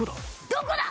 どこだ？